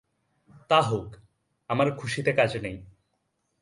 তা হোক, আমার খুশিতে কাজ নেই।